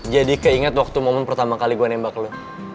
jadi keinget waktu momen pertama kali gue nembak lo